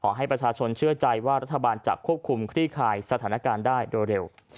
ให้ประชาชนเชื่อใจว่ารัฐบาลจะควบคุมคลี่คายสถานการณ์ได้โดยเร็ว